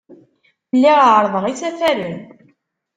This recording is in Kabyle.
Lliɣ ɛerrḍeɣ isafaren.